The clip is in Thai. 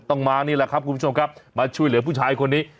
ต้องมานี่แหละครับคุณผู้ชมครับมาช่วยเหลือผู้ชายคนนี้